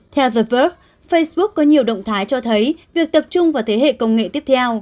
theo theberg facebook có nhiều động thái cho thấy việc tập trung vào thế hệ công nghệ tiếp theo